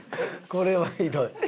これはひどい。